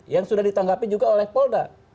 yang sudah ditanggapi juga oleh polda